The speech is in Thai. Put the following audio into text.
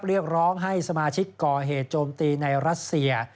เรียกร้องให้สมาชิกก่อเหตุโจมตีในรัสเซีย